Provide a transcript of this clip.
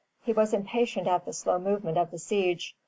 He was impatient at the slow movement of the siege.